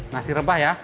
nasi rempah ya